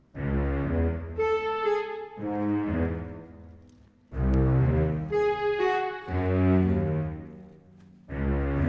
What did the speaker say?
sempur menggunakan soke